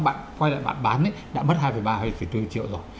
bạn quay lại bạn bán đã mất hai ba hai bốn triệu rồi